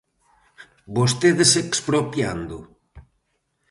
¿Vostedes expropiando?